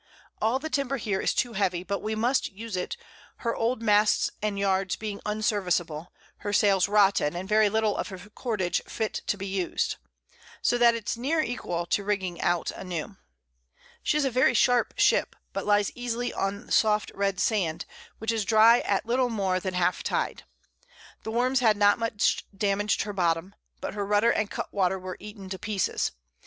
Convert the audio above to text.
All the Timber here is too heavy, but we must use it, her old Masts and Yards being unserviceable, her Sails rotten, and very little of her Cordage fit to be us'd; so that it's near equal to rigging out a new. She is a very sharp Ship, but lies easy on soft red Sand, which is dry at little more than half Tide. The Worms had not much damag'd her Bottom, but her Rudder and Cut water were eaten to pieces.